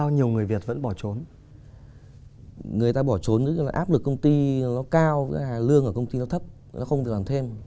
người ta bỏ trốn áp lực công ty nó cao lương ở công ty nó thấp nó không thể làm thêm